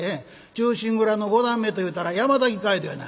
『忠臣蔵』の五段目というたら山崎街道やな」。